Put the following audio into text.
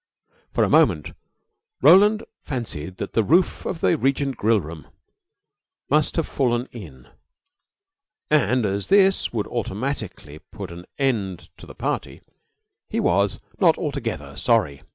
For the moment Roland fancied that the roof of the Regent Grill room must have fallen in; and, as this would automatically put an end to the party, he was not altogether sorry.